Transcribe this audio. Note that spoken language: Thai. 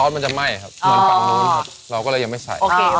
ถ้าจะไปทานข้าวมะ